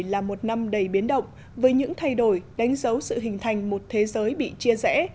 hai nghìn một mươi bảy là một năm đầy biến động với những thay đổi đánh dấu sự hình thành một thế giới bị chia rẽ